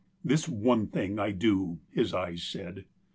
" This one thing I do," his eyes said.